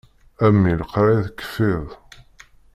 A mmi leqraya tekfiḍ.